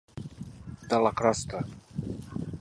De la crosta.